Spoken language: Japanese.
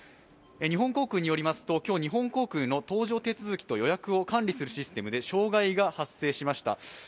日本航空によりますと、今日日本航空の予約と搭乗手続きを管理するシステムで障害が発生しました。